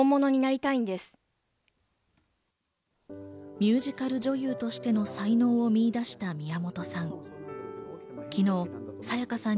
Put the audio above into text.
ミュージカル女優としての才能を見いだした宮本さん。